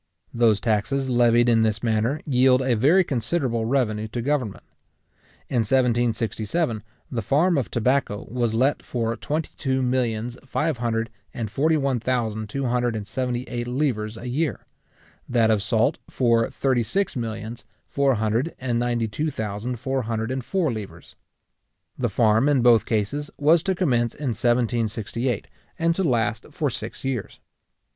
Those taxes, levied in this manner, yield a very considerable revenue to government. In 1767, the farm of tobacco was let for twenty two millions five hundred and forty one thousand two hundred and seventy eight livres a year; that of salt for thirty six millions four hundred and ninety two thousand four hundred and four livres. The farm, in both cases, was to commence in 1768, and to last for six years.